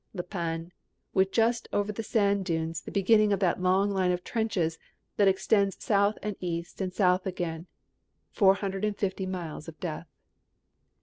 La Panne, with just over the sand dunes the beginning of that long line of trenches that extends south and east and south again, four hundred and fifty miles of death.